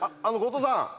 あの後藤さん。